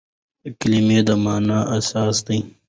کلیمه د مانا اساس دئ.